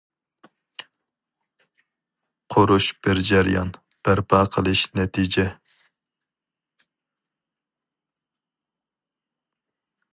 ‹‹ قۇرۇش›› بىر جەريان،‹‹ بەرپا قىلىش›› نەتىجە.